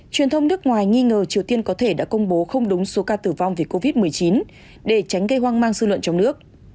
truyền thông nước ngoài nghi ngờ triều tiên có thể đã công bố không đúng số ca tử vong vì covid một mươi chín để tránh gây hoang mang dư luận trong nước